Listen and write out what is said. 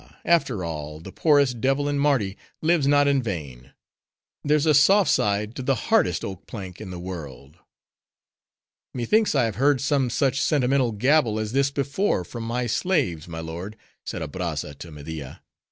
after all, the poorest devil in Mardi lives not in vain. There's a soft side to the hardest oak plank in the world!" "Methinks I have heard some such sentimental gabble as this before from my slaves, my lord," said Abrazza to Media.